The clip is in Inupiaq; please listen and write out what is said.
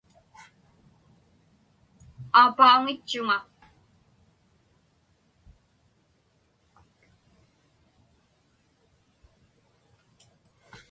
Aapauŋitchuŋa.